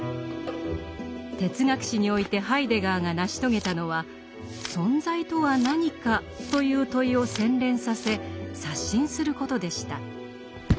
哲学史においてハイデガーが成し遂げたのは「存在とは何か」という問いを洗練させ刷新することでした。